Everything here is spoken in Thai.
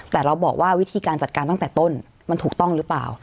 แต่เราบอกว่าวิธีการจัดการตั้งแต่ต้นมันถูกต้องหรือเปล่า